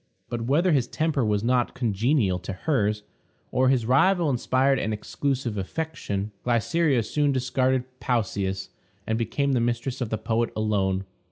But, whether his temper was not congenial to hers, or his rival inspired an exclusive affection, Glycera soon discarded Pausias, and became the mistress of the poet alone.